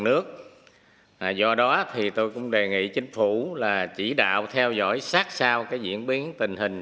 nước do đó thì tôi cũng đề nghị chính phủ là chỉ đạo theo dõi sát sao cái diễn biến tình hình